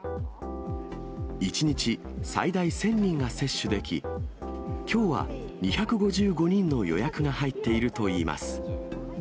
１日最大１０００人が接種でき、きょうは２５５人の予約が入っているといいます。